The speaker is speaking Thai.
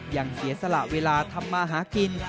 ยังเสียสละเวลาทำมาหากิน